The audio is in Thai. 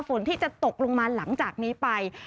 ฝนที่จะตกลงมาหลังจากนี้ไป